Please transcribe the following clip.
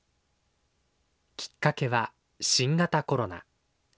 きっかけは新型コロナ。